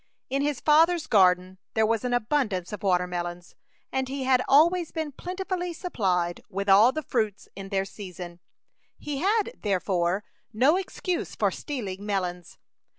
In his father's garden there was an abundance of watermelons, and he had always been plentifully supplied with all the fruits in their season. He had, therefore, no excuse for stealing melons.